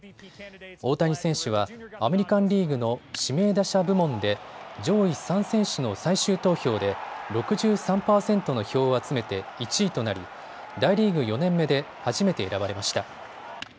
大谷選手はアメリカンリーグの指名打者部門で上位３選手の最終投票で６３％の票を集めて１位となり大リーグ４年目で初めて選ばれました。